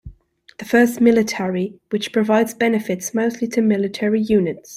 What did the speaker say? The first is Military, which provides benefits mostly to military units.